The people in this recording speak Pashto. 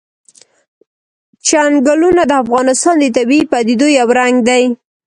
چنګلونه د افغانستان د طبیعي پدیدو یو رنګ دی.